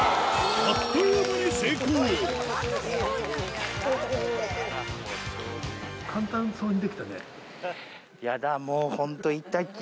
あっという間に成功マジで？